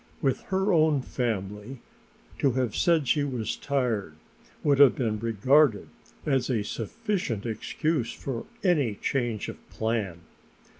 With her own family to have said she was tired would have been regarded as a sufficient excuse for any change of plan.